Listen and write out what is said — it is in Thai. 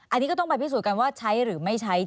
อันนี้ก็ต้องไปพิสูจน์กันว่าใช้หรือไม่ใช้